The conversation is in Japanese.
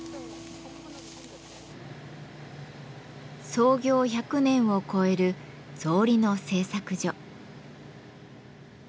創業１００年を超える草履の制作所。